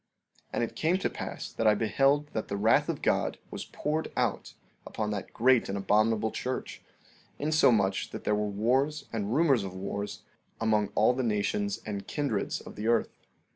14:15 And it came to pass that I beheld that the wrath of God was poured out upon that great and abominable church, insomuch that there were wars and rumors of wars among all the nations and kindreds of the earth.